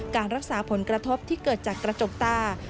การรักษาผลกระทบที่เกิดจากกระจกตา